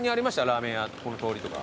ラーメン屋この通りとか。